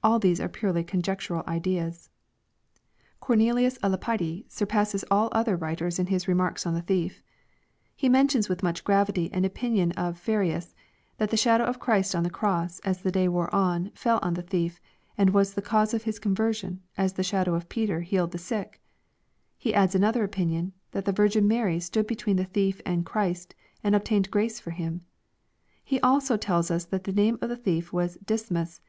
All these are purely conjec tural ideas. Cornelius a Lapide surpasses all other writers in his remarks on the thief. He mentions with much gravity an opinion of Fer© rius, that the shadow of Christ on the cross, as the day wore on, fell on the thief, and was the cause of his conversion, as the shadow of Peter healed the sick I He adds another opinion, that the Vir gin Mary stood between the thief and Christ, and obtained grace for him I He also tells us that the name of the thief was Dismas.